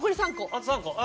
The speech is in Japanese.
あと３個。